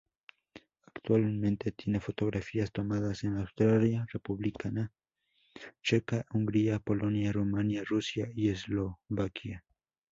Actualmente tiene fotografías tomadas en Austria, República Checa, Hungría, Polonia, Rumania, Rusia y Eslovaquia.